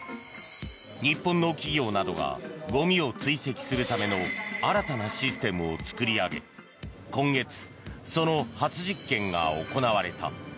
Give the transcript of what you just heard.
日本の企業などがゴミを追跡するための新たなシステムを作り上げ今月、その初実験が行われた。